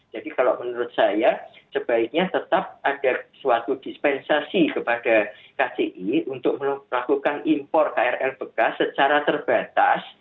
jadi kalau menurut saya sebaiknya tetap ada suatu dispensasi kepada kci untuk melakukan impor krl bekas secara terbatas